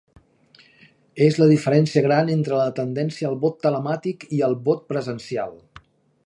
És la diferència gran entre la tendència al vot telemàtic i al vot presencial.